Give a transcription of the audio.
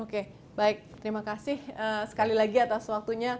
oke baik terima kasih sekali lagi atas waktunya